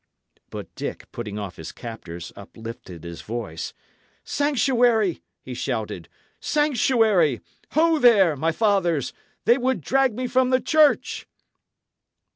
But Dick, putting off his captors, uplifted his voice. "Sanctuary!" he shouted. "Sanctuary! Ho, there, my fathers! They would drag me from the church!"